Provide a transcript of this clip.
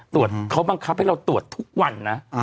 ตรวจเขาบังคับให้เราตรวจทุกวันนะ